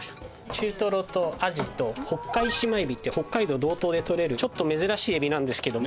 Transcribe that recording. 中トロとアジと北海シマエビって北海道道東でとれるちょっと珍しいエビなんですけども。